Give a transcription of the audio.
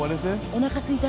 おなかすいた！